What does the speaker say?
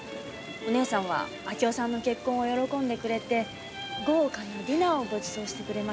お義姉さんは明夫さんの結婚を喜んでくれて豪華なディナーをごちそうしてくれました。